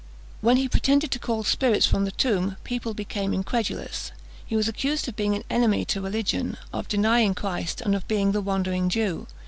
When he pretended to call spirits from the tomb, people became incredulous. He was accused of being an enemy to religion, of denying Christ, and of being the Wandering Jew.